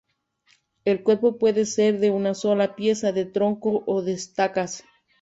El cuerpo puede ser de una sola pieza de tronco o de estacas.